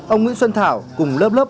ông nguyễn xuân thảo cùng lớp lớp